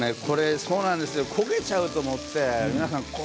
そうなんですよ焦げちゃうと思って。